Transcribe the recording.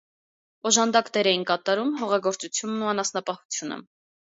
Օժանդակ դեր էին կատարում՝ հողագործությունն ու անասնապահությունը։